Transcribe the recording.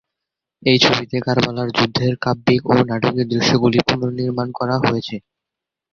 এই ছবিতে কারবালার যুদ্ধের কাব্যিক ও নাটকীয় দৃশ্যগুলি পুনর্নির্মাণ করা হয়েছে।